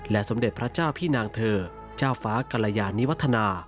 สมเด็จพระเจ้าพี่นางเธอเจ้าฟ้ากรยานิวัฒนา